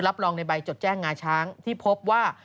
รับรองในใบจดแจ้งงาช้างที่พบว่า